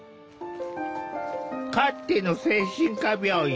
かつての精神科病院